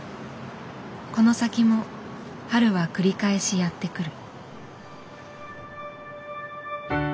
この先も春は繰り返しやってくる。